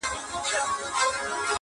ته به نسې سړی زما د سترګو توره,